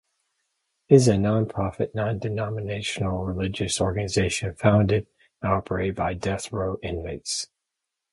It is a non-profit, non-denominational religious organization founded and operated by Death Row inmates.